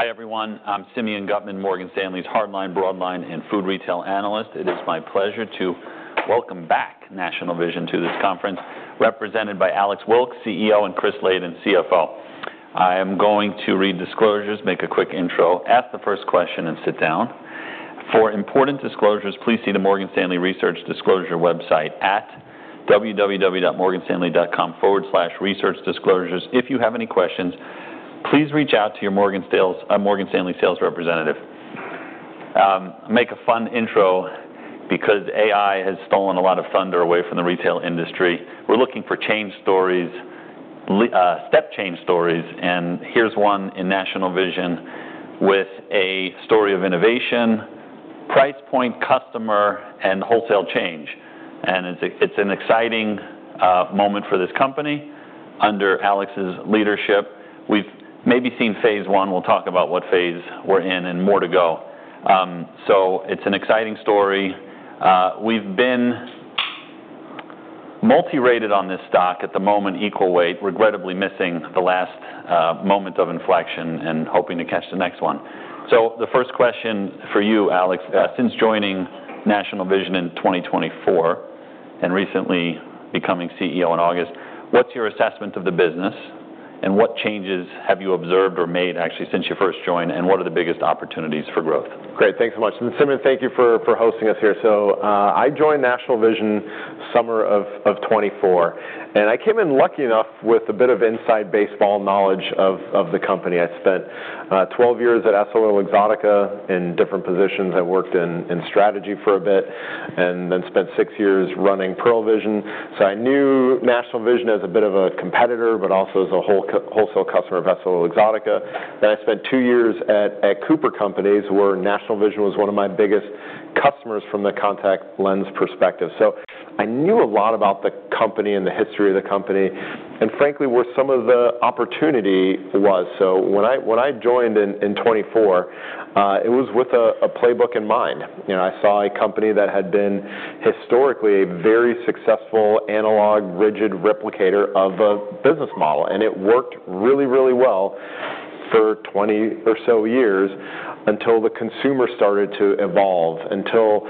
Hi everyone, I'm Simeon Gutman, Morgan Stanley's hardline, broadline, and food retail analyst. It is my pleasure to welcome back National Vision to this conference, represented by Alex Wilkes, CEO, and Chris Layden, CFO. I am going to read disclosures, make a quick intro, ask the first question, and sit down. For important disclosures, please see the Morgan Stanley Research Disclosure website at www.morganstanley.com/researchdisclosures. If you have any questions, please reach out to your Morgan Stanley sales representative. I'll make a fun intro because AI has stolen a lot of thunder away from the retail industry. We're looking for change stories, step change stories, and here's one in National Vision with a story of innovation, price point, customer, and wholesale change, and it's an exciting moment for this company under Alex's leadership. We've maybe seen phase one. We'll talk about what phase we're in and more to go. So it's an exciting story. We've been multi-rated on this stock at the moment, equal weight, regrettably missing the last moment of inflection and hoping to catch the next one. So the first question for you, Alex, since joining National Vision in 2024 and recently becoming CEO in August, what's your assessment of the business and what changes have you observed or made actually since you first joined, and what are the biggest opportunities for growth? Great, thanks so much. Simeon, thank you for hosting us here. So I joined National Vision summer of 2024, and I came in lucky enough with a bit of inside baseball knowledge of the company. I spent 12 years at EssilorLuxottica in different positions. I worked in strategy for a bit and then spent six years running Pearle Vision. So I knew National Vision as a bit of a competitor, but also as a wholesale customer of EssilorLuxottica. Then I spent two years at The Cooper Companies, where National Vision was one of my biggest customers from the contact lens perspective. So I knew a lot about the company and the history of the company and, frankly, where some of the opportunity was. So when I joined in 2024, it was with a playbook in mind. I saw a company that had been historically a very successful analog, rigid replicator of a business model, and it worked really, really well for 20 or so years until the consumer started to evolve, until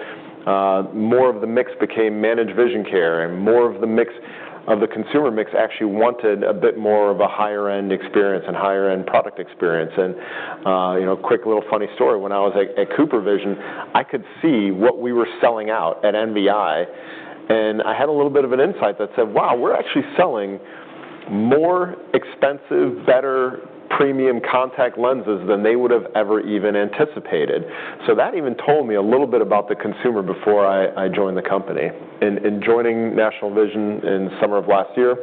more of the mix became managed vision care, and more of the mix of the consumer mix actually wanted a bit more of a higher-end experience and higher-end product experience, and a quick little funny story, when I was at CooperVision, I could see what we were selling out at NVI, and I had a little bit of an insight that said, "Wow, we're actually selling more expensive, better, premium contact lenses than they would have ever even anticipated," so that even told me a little bit about the consumer before I joined the company. In joining National Vision in summer of last year,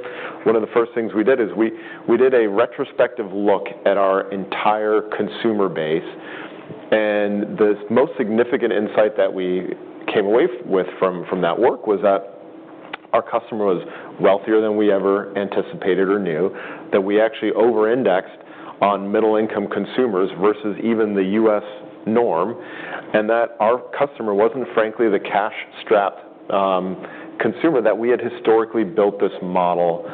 one of the first things we did is we did a retrospective look at our entire consumer base, and the most significant insight that we came away with from that work was that our customer was wealthier than we ever anticipated or knew, that we actually over-indexed on middle-income consumers versus even the U.S. norm, and that our customer wasn't, frankly, the cash-strapped consumer that we had historically built this model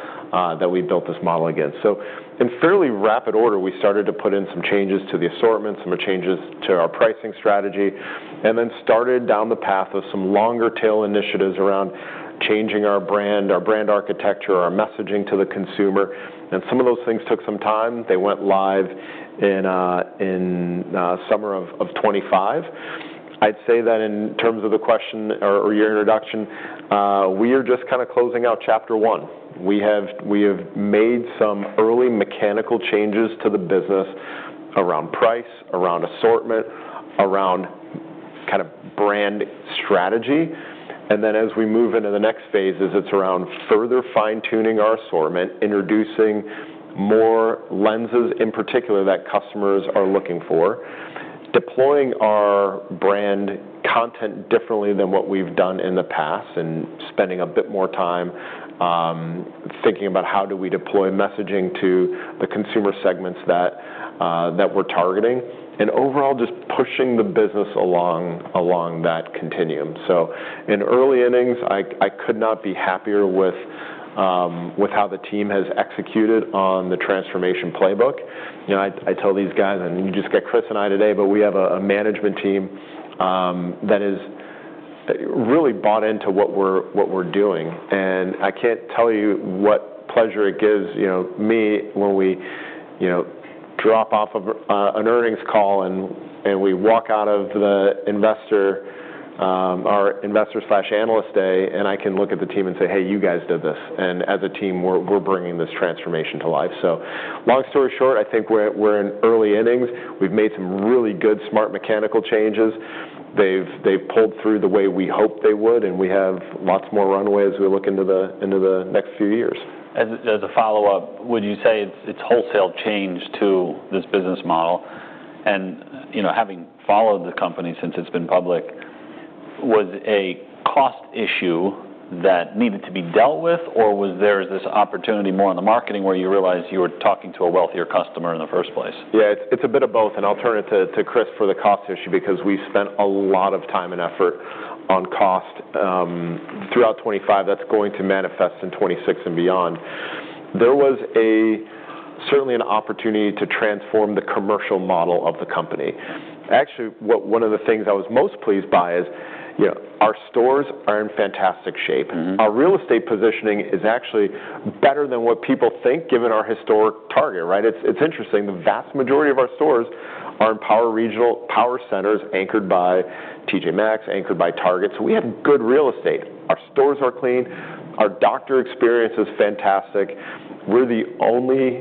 against. So in fairly rapid order, we started to put in some changes to the assortment, some changes to our pricing strategy, and then started down the path of some longer-tail initiatives around changing our brand, our brand architecture, our messaging to the consumer. And some of those things took some time. They went live in summer of 2025. I'd say that in terms of the question or your introduction, we are just kind of closing out chapter one. We have made some early mechanical changes to the business around price, around assortment, around kind of brand strategy. And then as we move into the next phases, it's around further fine-tuning our assortment, introducing more lenses in particular that customers are looking for, deploying our brand content differently than what we've done in the past, and spending a bit more time thinking about how do we deploy messaging to the consumer segments that we're targeting, and overall just pushing the business along that continuum. So in early innings, I could not be happier with how the team has executed on the transformation playbook. I tell these guys, and you just got Chris and I today, but we have a management team that is really bought into what we're doing. I can't tell you what pleasure it gives me when we drop off of an earnings call and we walk out of our investor/analyst day, and I can look at the team and say, "Hey, you guys did this." As a team, we're bringing this transformation to life. Long story short, I think we're in early innings. We've made some really good, smart mechanical changes. They've pulled through the way we hoped they would, and we have lots more runway as we look into the next few years. As a follow-up, would you say it's a wholesale change to this business model? And having followed the company since it's been public, was it a cost issue that needed to be dealt with, or was there this opportunity more in the marketing where you realized you were talking to a wealthier customer in the first place? Yeah, it's a bit of both, and I'll turn it to Chris for the cost issue because we spent a lot of time and effort on cost throughout 2025. That's going to manifest in 2026 and beyond. There was certainly an opportunity to transform the commercial model of the company. Actually, one of the things I was most pleased by is our stores are in fantastic shape. Our real estate positioning is actually better than what people think, given our historic target, right? It's interesting. The vast majority of our stores are in power centers anchored by T.J. Maxx, anchored by Target. So we have good real estate. Our stores are clean. Our doctor experience is fantastic. We're the only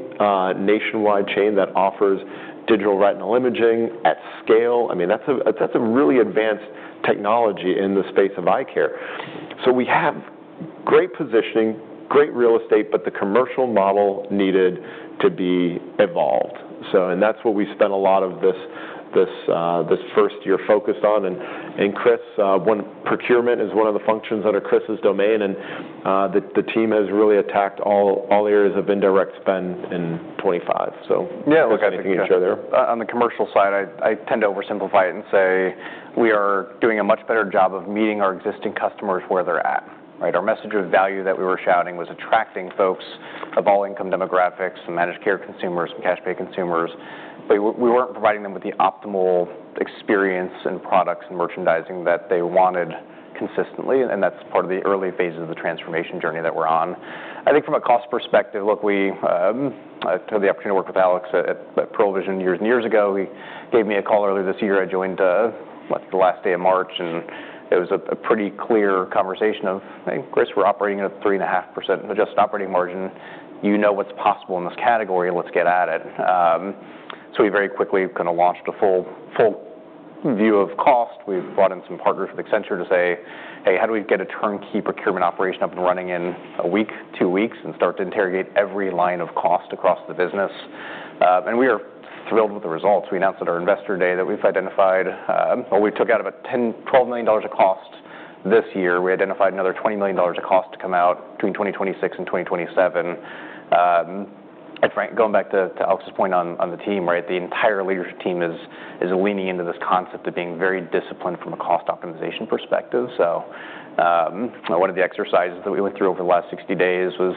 nationwide chain that offers digital retinal imaging at scale. I mean, that's a really advanced technology in the space of eye care. So we have great positioning, great real estate, but the commercial model needed to be evolved. And that's what we spent a lot of this first year focused on. And Chris, procurement is one of the functions that are Chris's domain, and the team has really attacked all areas of indirect spend in 2025. So look at the future there. On the commercial side, I tend to oversimplify it and say we are doing a much better job of meeting our existing customers where they're at, right? Our message of value that we were shouting was attracting folks of all income demographics, some managed care consumers, some cash-pay consumers. We weren't providing them with the optimal experience and products and merchandising that they wanted consistently, and that's part of the early phases of the transformation journey that we're on. I think from a cost perspective, look, I took the opportunity to work with Alex at Pearle Vision years and years ago. He gave me a call earlier this year. I joined the last day of March, and it was a pretty clear conversation of, "Hey, Chris, we're operating at a 3.5% adjusted operating margin. You know what's possible in this category. Let's get at it." So we very quickly kind of launched a full view of cost. We've brought in some partners with Accenture to say, "Hey, how do we get a turnkey procurement operation up and running in a week, two weeks, and start to interrogate every line of cost across the business?" And we are thrilled with the results. We announced at our investor day that we've identified, well, we took out about $12 million of cost this year. We identified another $20 million of cost to come out between 2026 and 2027. Going back to Alex's point on the team, right, the entire leadership team is leaning into this concept of being very disciplined from a cost optimization perspective. One of the exercises that we went through over the last 60 days was,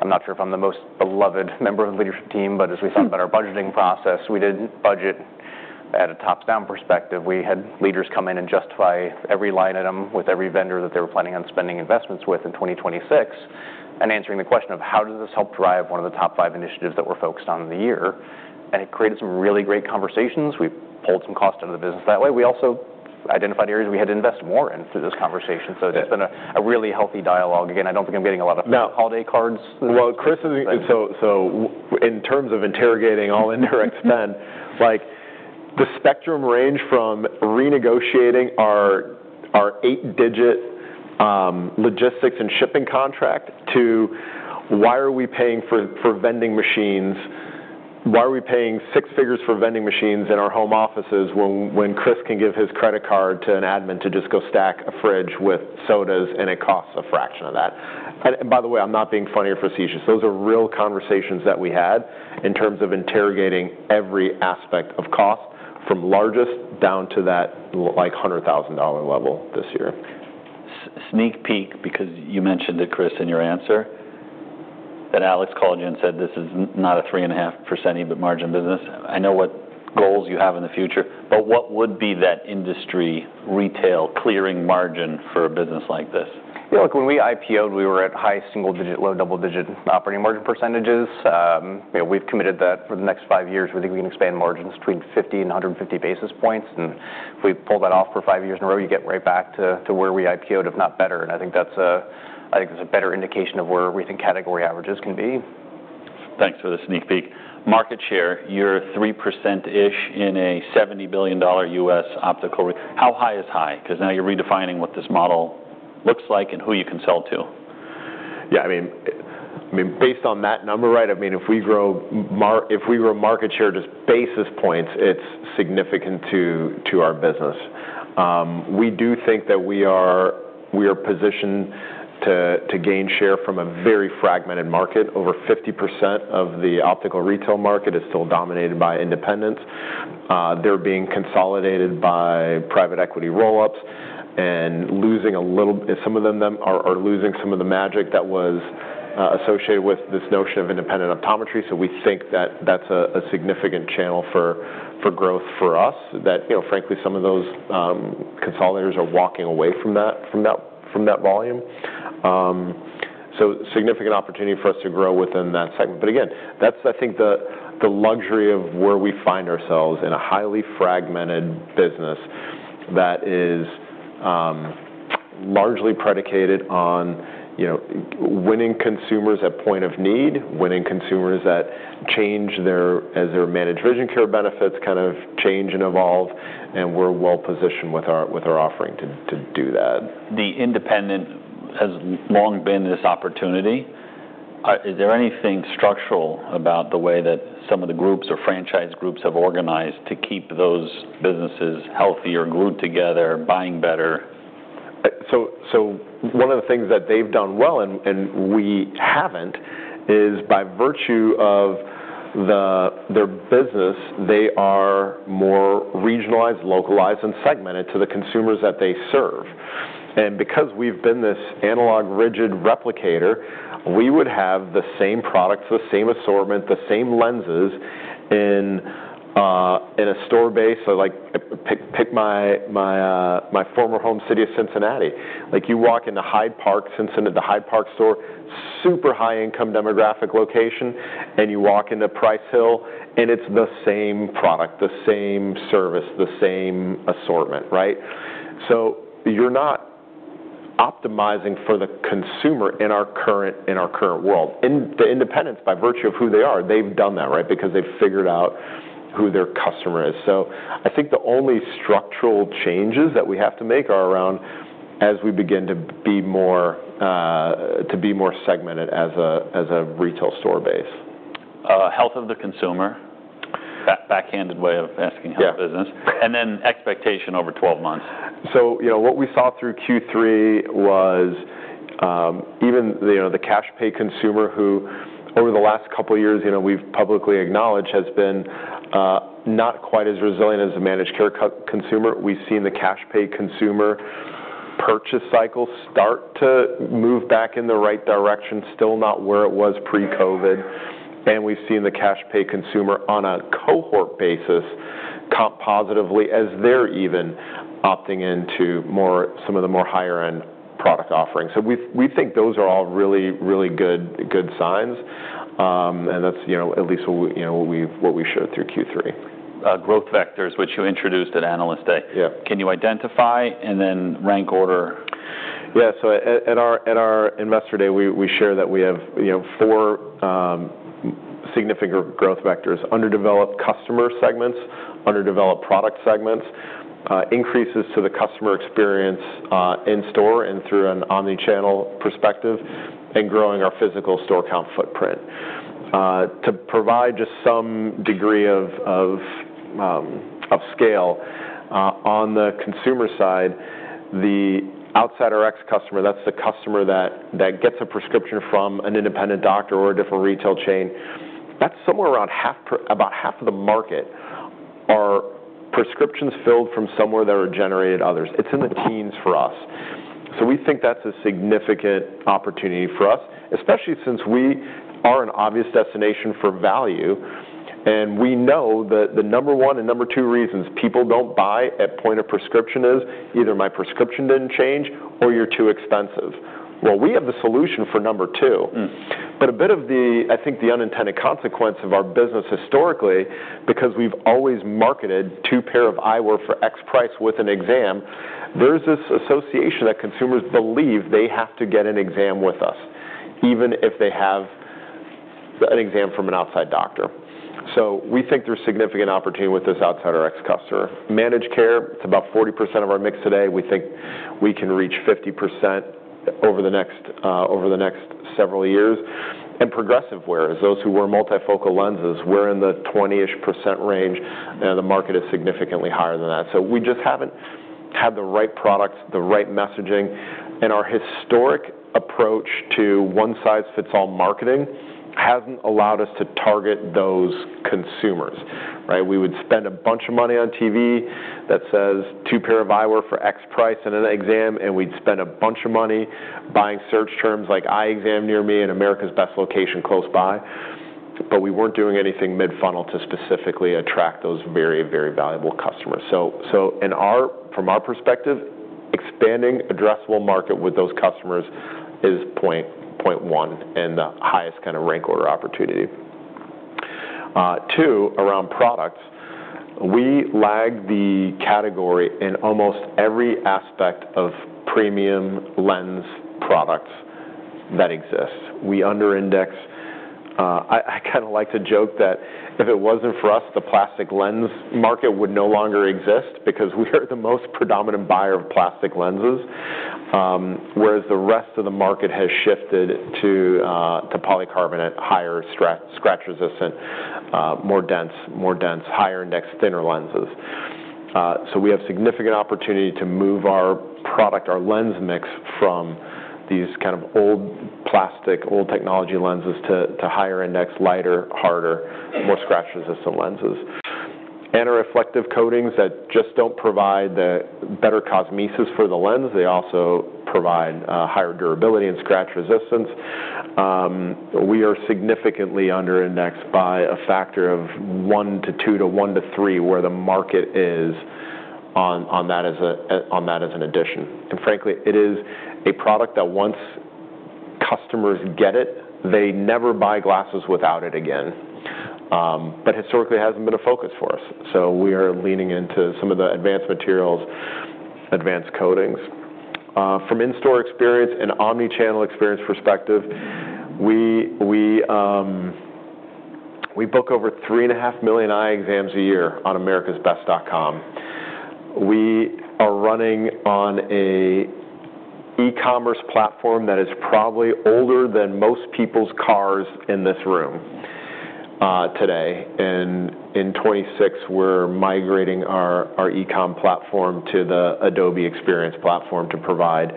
I'm not sure if I'm the most beloved member of the leadership team, but as we thought about our budgeting process, we didn't budget at a top-down perspective. We had leaders come in and justify every line item with every vendor that they were planning on spending investments with in 2026 and answering the question of, "How does this help drive one of the top five initiatives that we're focused on in the year?" And it created some really great conversations. We pulled some costs out of the business that way. We also identified areas we had to invest more in through this conversation. It's just been a really healthy dialogue. Again, I don't think I'm getting a lot of holiday cards. Chris, so in terms of interrogating all indirect spend, the spectrum ranged from renegotiating our eight-digit logistics and shipping contract to, "Why are we paying for vending machines? Why are we paying six figures for vending machines in our home offices when Chris can give his credit card to an admin to just go stack a fridge with sodas and it costs a fraction of that?" And by the way, I'm not being funny or facetious. Those are real conversations that we had in terms of interrogating every aspect of cost from largest down to that $100,000 level this year. Sneak peek, because you mentioned it, Chris, in your answer, that Alex called you and said, "This is not a 3.5% EBIT margin business." I know what goals you have in the future, but what would be that industry retail clearing margin for a business like this? Yeah, look, when we IPOed, we were at high single-digit, low double-digit operating margin percentages. We've committed that for the next five years. We think we can expand margins between 50 and 150 basis points. And if we pull that off for five years in a row, you get right back to where we IPOed, if not better. And I think that's a better indication of where we think category averages can be. Thanks for the sneak peek. Market share, you're 3%-ish in a $70 billion U.S. optical. How high is high? Because now you're redefining what this model looks like and who you can sell to. Yeah, I mean, based on that number, right, I mean, if we grow market share to basis points, it's significant to our business. We do think that we are positioned to gain share from a very fragmented market. Over 50% of the optical retail market is still dominated by independents. They're being consolidated by private equity roll-ups and losing a little bit. Some of them are losing some of the magic that was associated with this notion of independent optometry. So we think that that's a significant channel for growth for us, that frankly, some of those consolidators are walking away from that volume, so significant opportunity for us to grow within that segment. But again, that's, I think, the luxury of where we find ourselves in a highly fragmented business that is largely predicated on winning consumers at point of need, winning consumers that change as their managed vision care benefits kind of change and evolve, and we're well-positioned with our offering to do that. The independent has long been this opportunity. Is there anything structural about the way that some of the groups or franchise groups have organized to keep those businesses healthier, glued together, buying better? So one of the things that they've done well, and we haven't, is by virtue of their business, they are more regionalized, localized, and segmented to the consumers that they serve. And because we've been this analog, rigid replicator, we would have the same products, the same assortment, the same lenses in a store base. So pick my former home city of Cincinnati. You walk into Hyde Park, Cincinnati, the Hyde Park store, super high-income demographic location, and you walk into Price Hill, and it's the same product, the same service, the same assortment, right? So you're not optimizing for the consumer in our current world. And the independents, by virtue of who they are, they've done that, right, because they've figured out who their customer is. I think the only structural changes that we have to make are around as we begin to be more segmented as a retail store base. Health of the consumer, backhanded way of asking how the business, and then expectation over 12 months. So what we saw through Q3 was even the cash-pay consumer who, over the last couple of years, we've publicly acknowledged, has been not quite as resilient as a managed care consumer. We've seen the cash-pay consumer purchase cycle start to move back in the right direction, still not where it was pre-COVID. And we've seen the cash-pay consumer on a cohort basis comp positively as they're even opting into some of the more higher-end product offerings. So we think those are all really, really good signs, and that's at least what we showed through Q3. Growth vectors, which you introduced at Analyst Day. Can you identify and then rank order? Yeah. So at our investor day, we share that we have four significant growth vectors: underdeveloped customer segments, underdeveloped product segments, increases to the customer experience in store and through an omnichannel perspective, and growing our physical store count footprint. To provide just some degree of scale on the consumer side, the Outsider X customer, that's the customer that gets a prescription from an independent doctor or a different retail chain, that's somewhere around about half of the market. Our prescriptions filled from somewhere that are generated others. It's in the teens for us. So we think that's a significant opportunity for us, especially since we are an obvious destination for value. And we know that the number one and number two reasons people don't buy at point of prescription is either my prescription didn't change or you're too expensive. Well, we have the solution for number two. But a bit of the, I think, the unintended consequence of our business historically, because we've always marketed two pair of eyewear for X price with an exam, there's this association that consumers believe they have to get an exam with us, even if they have an exam from an outside doctor. So we think there's significant opportunity with this outsider X customer. Managed care, it's about 40% of our mix today. We think we can reach 50% over the next several years. And progressive wearers, those who wear multifocal lenses, we're in the 20-ish% range, and the market is significantly higher than that. So we just haven't had the right products, the right messaging, and our historic approach to one-size-fits-all marketing hasn't allowed us to target those consumers, right? We would spend a bunch of money on TV that says two pair of eyewear for X price and an exam, and we'd spend a bunch of money buying search terms like eye exam near me and America's Best location close by. But we weren't doing anything mid-funnel to specifically attract those very, very valuable customers. So from our perspective, expanding addressable market with those customers is point one and the highest kind of rank order opportunity. Two, around products, we lag the category in almost every aspect of premium lens products that exist. We underindex. I kind of like to joke that if it wasn't for us, the plastic lens market would no longer exist because we are the most predominant buyer of plastic lenses, whereas the rest of the market has shifted to polycarbonate, higher scratch resistant, more dense, higher index, thinner lenses. So we have significant opportunity to move our product, our lens mix from these kind of old plastic, old technology lenses to higher index, lighter, harder, more scratch resistant lenses. Anti-reflective coatings that just don't provide the better cosmesis for the lens, they also provide higher durability and scratch resistance. We are significantly underindexed by a factor of one-to-two to one-to-three where the market is on that as an addition, and frankly, it is a product that once customers get it, they never buy glasses without it again, but historically, it hasn't been a focus for us, so we are leaning into some of the advanced materials, advanced coatings. From in-store experience and omnichannel experience perspective, we book over 3.5 million eye exams a year on americasbest.com. We are running on an e-commerce platform that is probably older than most people's cars in this room today. And in 2026, we're migrating our e-com platform to the Adobe Experience Platform to provide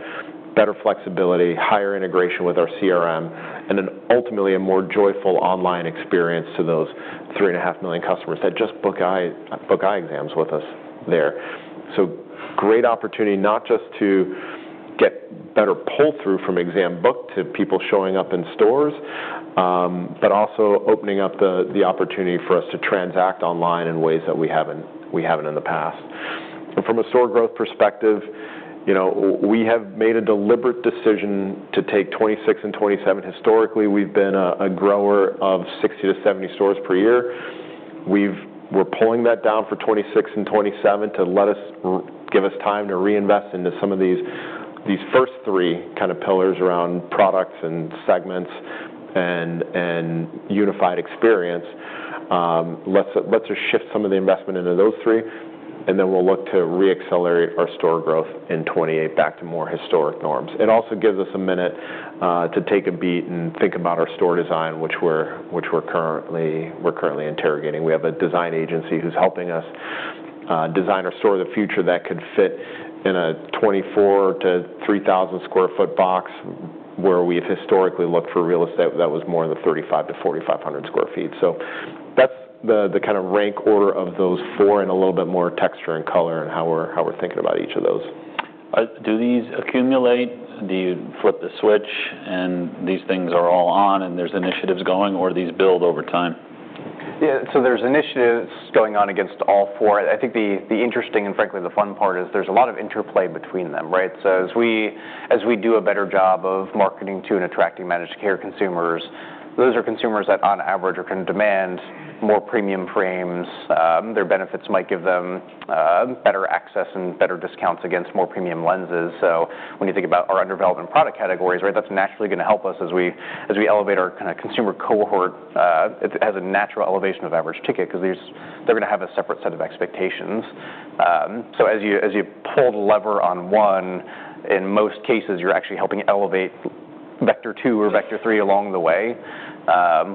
better flexibility, higher integration with our CRM, and then ultimately a more joyful online experience to those 3.5 million customers that just book eye exams with us there. So great opportunity not just to get better pull-through from exam book to people showing up in stores, but also opening up the opportunity for us to transact online in ways that we haven't in the past. And from a store growth perspective, we have made a deliberate decision to take 2026 and 2027. Historically, we've been a grower of 60 to 70 stores per year. We're pulling that down for 2026 and 2027 to give us time to reinvest into some of these first three kind of pillars around products and segments and unified experience. Let's just shift some of the investment into those three, and then we'll look to re-accelerate our store growth in 2028 back to more historic norms. It also gives us a minute to take a beat and think about our store design, which we're currently interrogating. We have a design agency who's helping us design a store of the future that could fit in a 2,400-3,000 sq ft box where we've historically looked for real estate that was more than 3,500 sq ft-4,500 sq ft. So that's the kind of rank order of those four and a little bit more texture and color and how we're thinking about each of those. Do these accumulate? Do you flip the switch and these things are all on and there's initiatives going, or do these build over time? Yeah. So there's initiatives going on against all four. I think the interesting and frankly the fun part is there's a lot of interplay between them, right? So as we do a better job of marketing to and attracting managed care consumers, those are consumers that on average are going to demand more premium frames. Their benefits might give them better access and better discounts against more premium lenses. So when you think about our underdevelopment product categories, right, that's naturally going to help us as we elevate our kind of consumer cohort. It has a natural elevation of average ticket because they're going to have a separate set of expectations. So as you pull the lever on one, in most cases, you're actually helping elevate vector two or vector three along the way.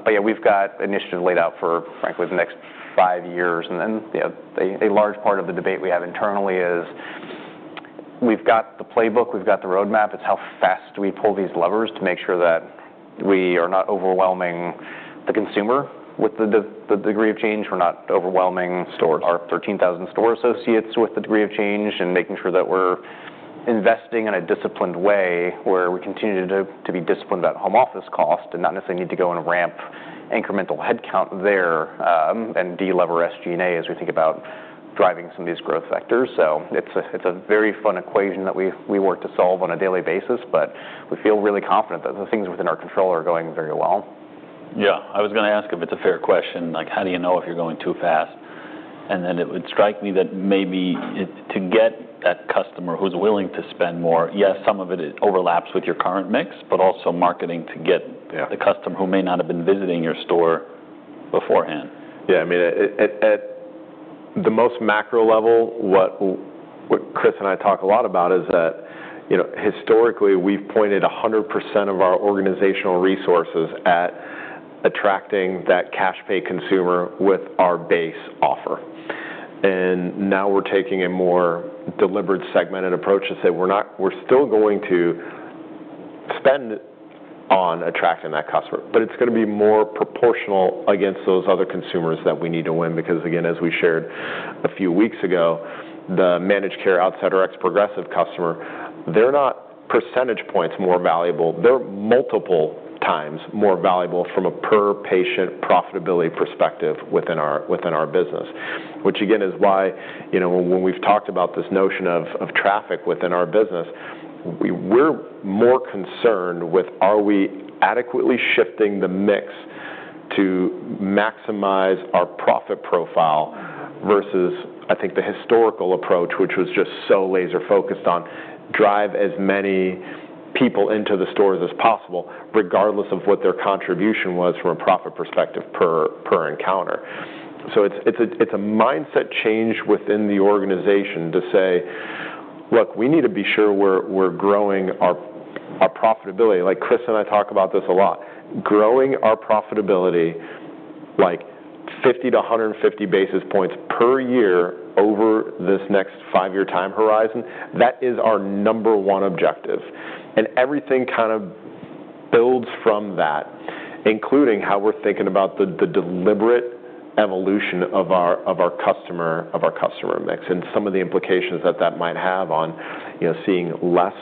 But yeah, we've got initiatives laid out for frankly the next five years. Then a large part of the debate we have internally is we've got the playbook, we've got the roadmap. It's how fast do we pull these levers to make sure that we are not overwhelming the consumer with the degree of change. We're not overwhelming our 13,000 store associates with the degree of change and making sure that we're investing in a disciplined way where we continue to be disciplined about home office costs and not necessarily need to go and ramp incremental headcount there and de-lever SG&A as we think about driving some of these growth vectors. It's a very fun equation that we work to solve on a daily basis, but we feel really confident that the things within our control are going very well. Yeah. I was going to ask if it's a fair question, how do you know if you're going too fast, and then it would strike me that maybe to get that customer who's willing to spend more, yes, some of it overlaps with your current mix, but also marketing to get the customer who may not have been visiting your store beforehand. Yeah. I mean, at the most macro level, what Chris and I talk a lot about is that historically we've pointed 100% of our organizational resources at attracting that cash-pay consumer with our base offer. And now we're taking a more deliberate segmented approach to say we're still going to spend on attracting that customer, but it's going to be more proportional against those other consumers that we need to win because, again, as we shared a few weeks ago, the managed care outsider X progressive customer, they're not percentage points more valuable. They're multiple times more valuable from a per-patient profitability perspective within our business, which again is why when we've talked about this notion of traffic within our business, we're more concerned with are we adequately shifting the mix to maximize our profit profile versus I think the historical approach, which was just so laser-focused on drive as many people into the stores as possible regardless of what their contribution was from a profit perspective per encounter. So it's a mindset change within the organization to say, "Look, we need to be sure we're growing our profitability." Chris and I talk about this a lot. Growing our profitability like 50-150 basis points per year over this next five-year time horizon, that is our number one objective. And everything kind of builds from that, including how we're thinking about the deliberate evolution of our customer mix and some of the implications that that might have on seeing less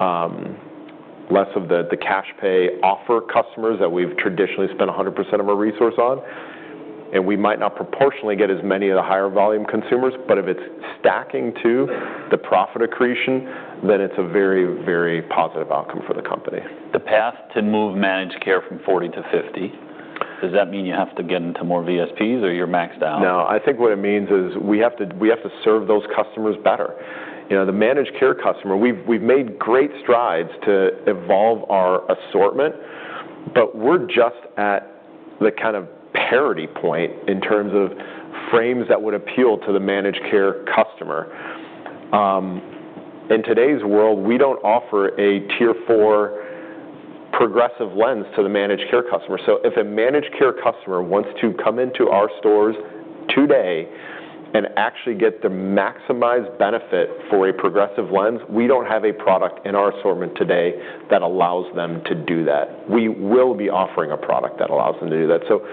of the cash-pay offer customers that we've traditionally spent 100% of our resource on. And we might not proportionately get as many of the higher volume consumers, but if it's stacking to the profit accretion, then it's a very, very positive outcome for the company. The path to move managed care from 40-50, does that mean you have to get into more VSPs or you're maxed out? No. I think what it means is we have to serve those customers better. The managed care customer, we've made great strides to evolve our assortment, but we're just at the kind of parity point in terms of frames that would appeal to the managed care customer. In today's world, we don't offer a tier four progressive lens to the managed care customer. So if a managed care customer wants to come into our stores today and actually get the maximized benefit for a progressive lens, we don't have a product in our assortment today that allows them to do that. We will be offering a product that allows them to do that. So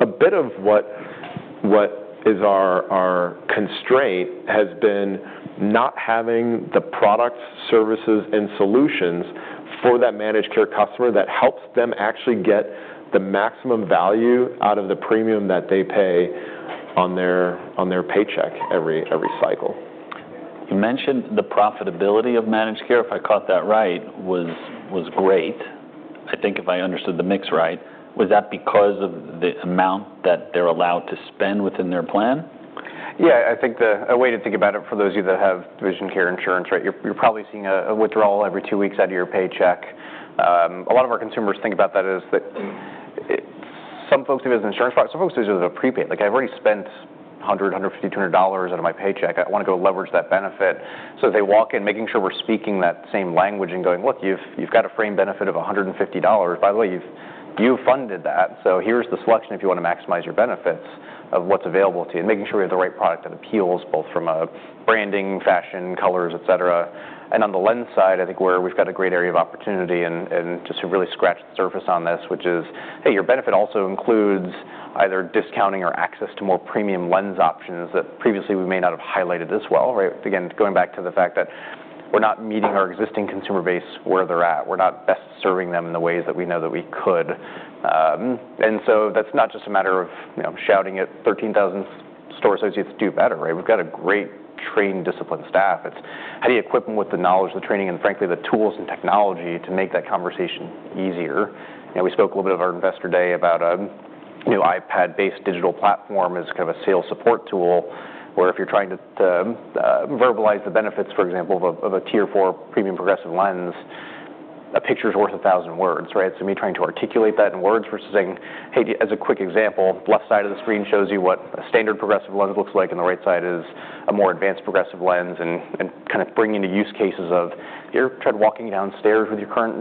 a bit of what is our constraint has been not having the products, services, and solutions for that managed care customer that helps them actually get the maximum value out of the premium that they pay on their paycheck every cycle. You mentioned the profitability of managed care, if I caught that right, was great. I think if I understood the mix right, was that because of the amount that they're allowed to spend within their plan? Yeah. I think a way to think about it for those of you that have vision care insurance, right, you're probably seeing a withdrawal every two weeks out of your paycheck. A lot of our consumers think about that as some folks do it as an insurance product, some folks do it as a prepaid. I've already spent $100, $150, $200 out of my paycheck. I want to go leverage that benefit. So they walk in making sure we're speaking that same language and going, "Look, you've got a frame benefit of $150. By the way, you funded that. So here's the selection if you want to maximize your benefits of what's available to you," and making sure we have the right product that appeals both from a branding, fashion, colors, etc. And on the lens side, I think we've got a great area of opportunity and just to really scratch the surface on this, which is, "Hey, your benefit also includes either discounting or access to more premium lens options that previously we may not have highlighted this well," right? Again, going back to the fact that we're not meeting our existing consumer base where they're at. We're not best serving them in the ways that we know that we could. And so that's not just a matter of shouting at 13,000 store associates do better, right? We've got a great trained, disciplined staff. It's how do you equip them with the knowledge, the training, and frankly, the tools and technology to make that conversation easier? We spoke a little bit at our investor day about a new iPad-based digital platform as kind of a sales support tool where if you're trying to verbalize the benefits, for example, of a tier four premium progressive lens, a picture is worth a thousand words, right? So me trying to articulate that in words versus saying, "Hey, as a quick example, left side of the screen shows you what a standard progressive lens looks like, and the right side is a more advanced progressive lens," and kind of bringing into use cases of, "You're trying to walking downstairs with your current,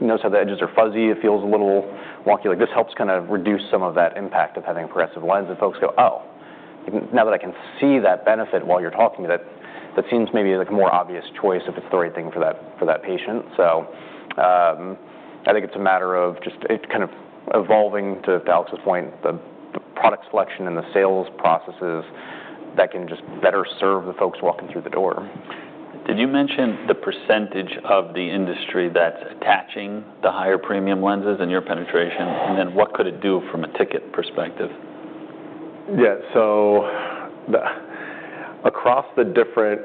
notice how the edges are fuzzy. It feels a little wonky." This helps kind of reduce some of that impact of having a progressive lens. And folks go, "Oh, now that I can see that benefit while you're talking, that seems maybe like a more obvious choice if it's the right thing for that patient." So I think it's a matter of just kind of evolving to Alex's point, the product selection and the sales processes that can just better serve the folks walking through the door. Did you mention the percentage of the industry that's attaching the higher premium lenses and your penetration? And then what could it do from a ticket perspective? Yeah. So across the different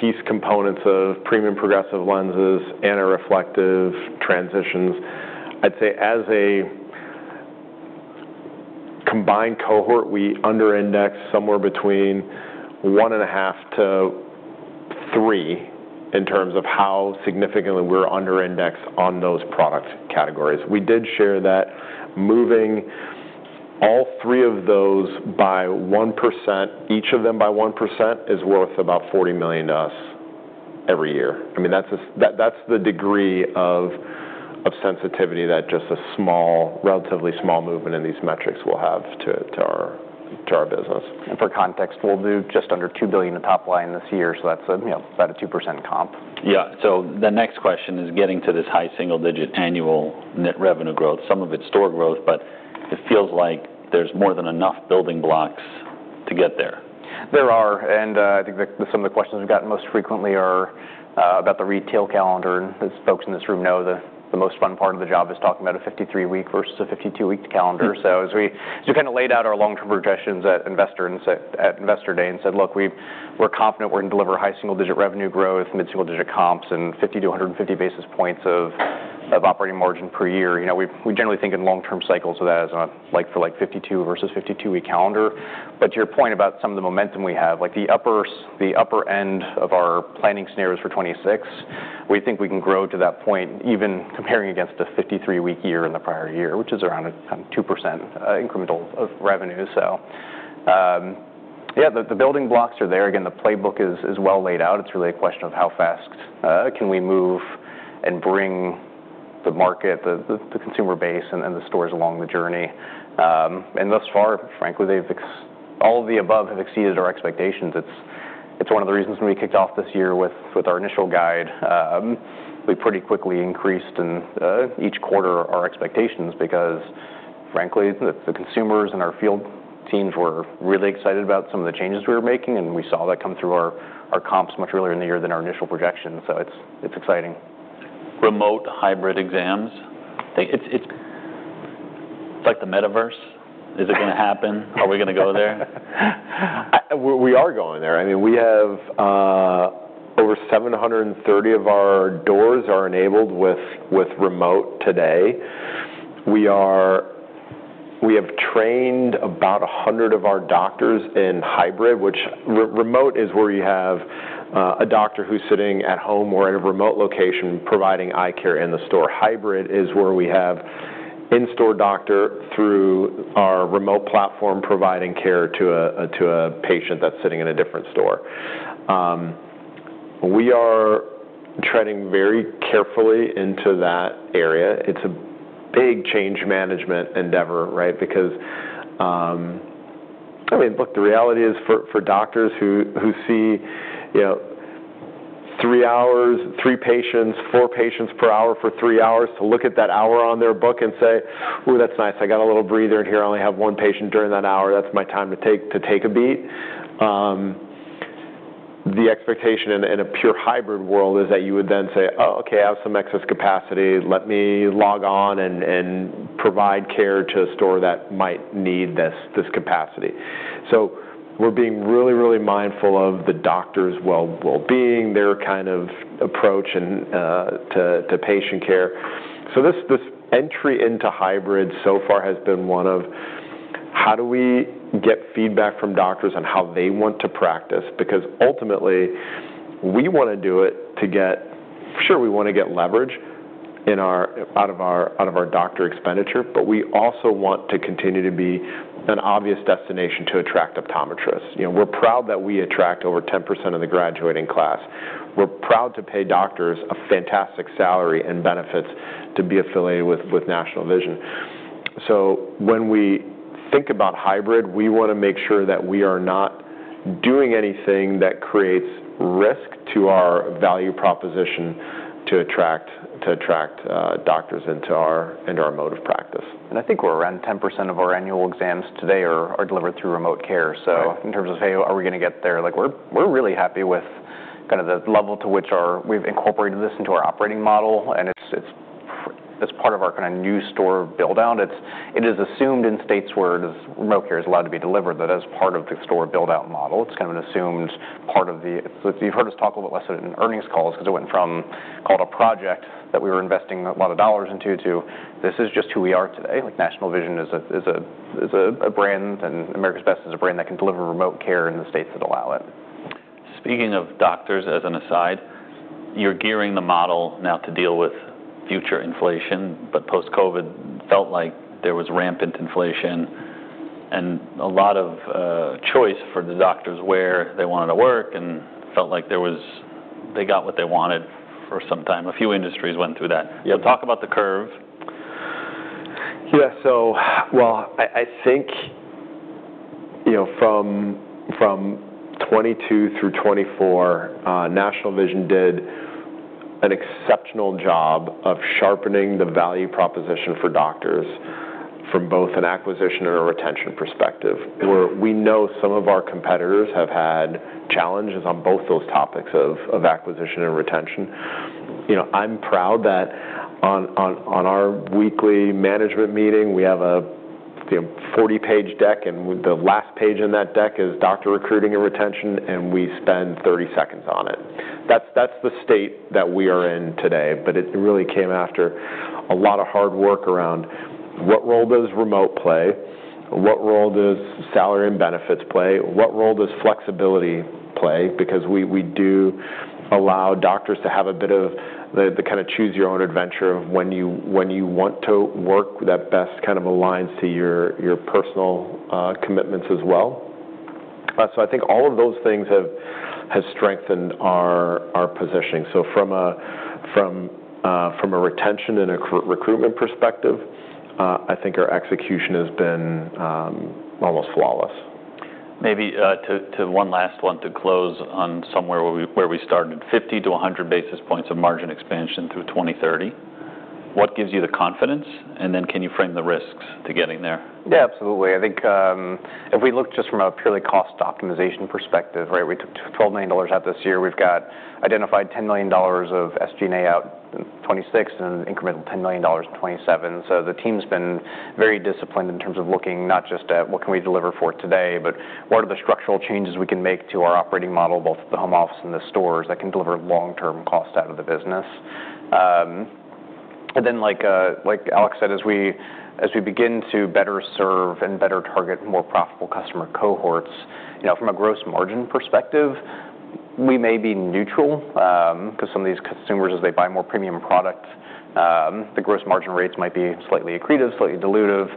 piece components of premium progressive lenses, anti-reflective transitions, I'd say as a combined cohort, we underindex somewhere between one and a half to three in terms of how significantly we're underindexed on those product categories. We did share that moving all three of those by 1%, each of them by 1%, is worth about $40 million to us every year. I mean, that's the degree of sensitivity that just a relatively small movement in these metrics will have to our business. And for context, we'll do just under $2 billion in top line this year. So that's about a 2% comp. Yeah. So the next question is getting to this high single-digit annual net revenue growth, some of it's store growth, but it feels like there's more than enough building blocks to get there. There are. And I think some of the questions we've gotten most frequently are about the retail calendar. And as folks in this room know, the most fun part of the job is talking about a 53-week versus a 52-week calendar. So as we kind of laid out our long-term projections at investor day and said, "Look, we're confident we're going to deliver high single-digit revenue growth, mid-single-digit comps, and 50 to 150 basis points of operating margin per year." We generally think in long-term cycles of that as for like 52 versus 52-week calendar. But to your point about some of the momentum we have, like the upper end of our planning scenarios for 2026, we think we can grow to that point even comparing against a 53-week year in the prior year, which is around 2% incremental revenue. So yeah, the building blocks are there. Again, the playbook is well laid out. It's really a question of how fast can we move and bring the market, the consumer base, and then the stores along the journey, and thus far, frankly, all of the above have exceeded our expectations. It's one of the reasons when we kicked off this year with our initial guide, we pretty quickly increased in each quarter our expectations because frankly, the consumers and our field teams were really excited about some of the changes we were making, and we saw that come through our comps much earlier in the year than our initial projections, so it's exciting. Remote hybrid exams. It's like the metaverse. Is it going to happen? Are we going to go there? We are going there. I mean, we have over 730 of our doors enabled with remote today. We have trained about 100 of our doctors in hybrid, which remote is where you have a doctor who's sitting at home or in a remote location providing eye care in the store. Hybrid is where we have in-store doctor through our remote platform providing care to a patient that's sitting in a different store. We are treading very carefully into that area. It's a big change management endeavor, right? Because I mean, look, the reality is for doctors who see three hours, three patients, four patients per hour for three hours to look at that hour on their book and say, "Ooh, that's nice. I got a little breather in here. I only have one patient during that hour. That's my time to take a beat." The expectation in a pure hybrid world is that you would then say, "Oh, okay, I have some excess capacity. Let me log on and provide care to a store that might need this capacity." So we're being really, really mindful of the doctor's well-being, their kind of approach to patient care. So this entry into hybrid so far has been one of how do we get feedback from doctors on how they want to practice? Because ultimately, we want to do it to make sure we get leverage out of our doctor expenditure, but we also want to continue to be an obvious destination to attract optometrists. We're proud that we attract over 10% of the graduating class. We're proud to pay doctors a fantastic salary and benefits to be affiliated with National Vision. When we think about hybrid, we want to make sure that we are not doing anything that creates risk to our value proposition to attract doctors into our mode of practice. I think we're around 10% of our annual exams today are delivered through remote care. So in terms of, "Hey, are we going to get there?" We're really happy with kind of the level to which we've incorporated this into our operating model, and it's part of our kind of new store buildout. It is assumed in states where remote care is allowed to be delivered that as part of the store buildout model, it's kind of an assumed part of the model. You've heard us talk a little bit less of it in earnings calls because it went from being called a project that we were investing a lot of dollars into to this is just who we are today. National Vision is a brand, and America's Best is a brand that can deliver remote care in the states that allow it. Speaking of doctors as an aside, you're gearing the model now to deal with future inflation, but post-COVID felt like there was rampant inflation and a lot of choice for the doctors where they wanted to work and felt like they got what they wanted for some time. A few industries went through that. So talk about the curve. Yeah. So, well, I think from 2022 through 2024, National Vision did an exceptional job of sharpening the value proposition for doctors from both an acquisition and a retention perspective. We know some of our competitors have had challenges on both those topics of acquisition and retention. I'm proud that on our weekly management meeting, we have a 40-page deck, and the last page in that deck is doctor recruiting and retention, and we spend 30 seconds on it. That's the state that we are in today, but it really came after a lot of hard work around what role does remote play? What role does salary and benefits play? What role does flexibility play? Because we do allow doctors to have a bit of the kind of choose your own adventure of when you want to work that best kind of aligns to your personal commitments as well. So I think all of those things have strengthened our positioning. So from a retention and a recruitment perspective, I think our execution has been almost flawless. Maybe to one last one to close on somewhere where we started, 50-100 basis points of margin expansion through 2030. What gives you the confidence? And then can you frame the risks to getting there? Yeah, absolutely. I think if we look just from a purely cost optimization perspective, right, we took $12 million out this year. We've identified $10 million of SG&A out in 2026 and incremental $10 million in 2027. So the team's been very disciplined in terms of looking not just at what can we deliver for today, but what are the structural changes we can make to our operating model, both at the home office and the stores that can deliver long-term costs out of the business. And then like Alex said, as we begin to better serve and better target more profitable customer cohorts, from a gross margin perspective, we may be neutral because some of these consumers, as they buy more premium products, the gross margin rates might be slightly accretive, slightly dilutive.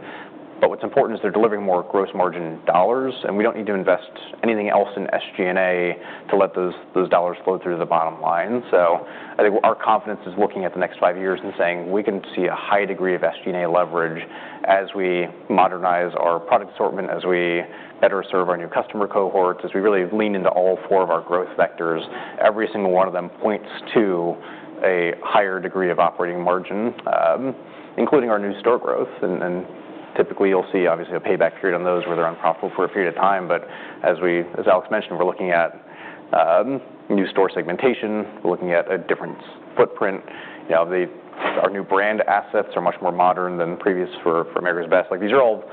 But what's important is they're delivering more gross margin dollars, and we don't need to invest anything else in SG&A to let those dollars flow through the bottom line. So I think our confidence is looking at the next five years and saying we can see a high degree of SG&A leverage as we modernize our product assortment, as we better serve our new customer cohorts, as we really lean into all four of our growth vectors. Every single one of them points to a higher degree of operating margin, including our new store growth. And typically, you'll see obviously a payback period on those where they're unprofitable for a period of time. But as Alex mentioned, we're looking at new store segmentation. We're looking at a different footprint. Our new brand assets are much more modern than previous for America's Best. These are all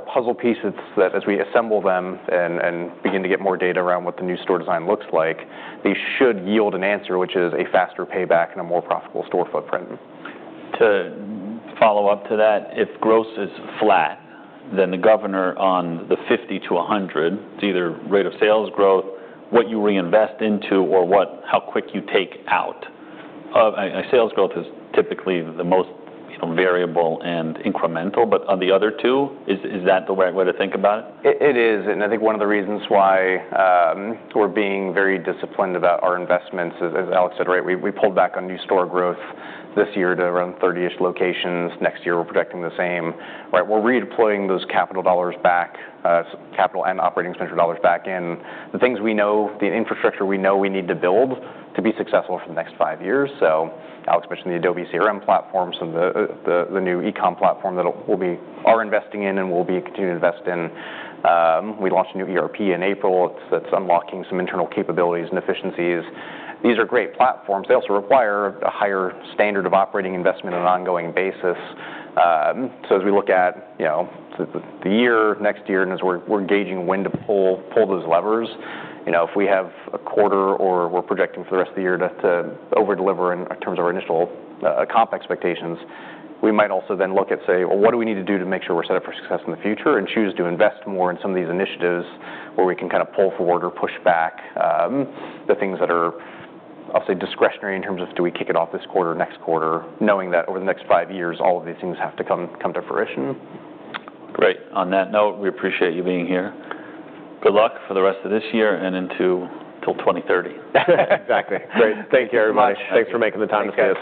puzzle pieces that as we assemble them and begin to get more data around what the new store design looks like, they should yield an answer, which is a faster payback and a more profitable store footprint. To follow up to that, if gross is flat, then the governor on the 50-100, it's either rate of sales growth, what you reinvest into, or how quick you take out. Sales growth is typically the most variable and incremental, but on the other two, is that the right way to think about it? It is. And I think one of the reasons why we're being very disciplined about our investments, as Alex said, right, we pulled back on new store growth this year to around 30-ish locations. Next year, we're projecting the same. We're redeploying those capital dollars back, capital and operating expenditure dollars back in the things we know, the infrastructure we know we need to build to be successful for the next five years. So Alex mentioned the Adobe CRM platform, some of the new e-comm platform that we are investing in and will continue to invest in. We launched a new ERP in April that's unlocking some internal capabilities and efficiencies. These are great platforms. They also require a higher standard of operating investment on an ongoing basis. So, as we look at the year, next year, and as we're engaging when to pull those levers, if we have a quarter or we're projecting for the rest of the year to overdeliver in terms of our initial comp expectations, we might also then look at, say, well, what do we need to do to make sure we're set up for success in the future and choose to invest more in some of these initiatives where we can kind of pull forward or push back the things that are obviously discretionary in terms of do we kick it off this quarter, next quarter, knowing that over the next five years, all of these things have to come to fruition. Great. On that note, we appreciate you being here. Good luck for the rest of this year and until 2030. Exactly. Great. Thank you very much. Thanks for making the time to see us.